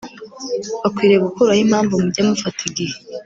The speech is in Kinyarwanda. Bakwiriye gukuraho impamvu Mujye mufata igihe